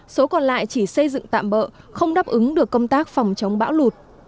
số còn lại chỉ xây dựng tạm bỡ không đáp ứng được công tác phòng chống bão lụt